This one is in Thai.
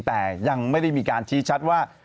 แต่ยังไม่ได้มีการชี้ชัดว่า